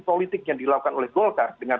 politik yang dilakukan oleh golkar dengan